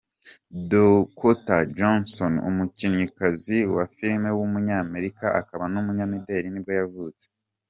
Dakota Johnson, umukinnyikazi wa filime w’umunyamerika akaba n’umunyamideli nibwo yavutse.